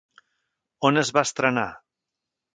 On es va estrenar?